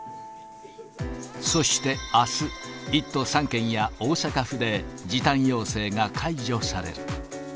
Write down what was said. そしてあす、１都３県や大阪府で、時短要請が解除される。